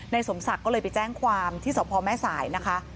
สมศักดิ์ก็เลยไปแจ้งความที่สพแม่สายนะคะ